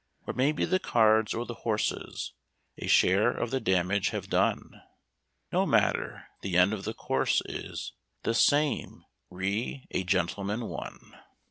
Or maybe the cards or the horses A share of the damage have done No matter; the end of the course is The same: "Re a Gentleman, One".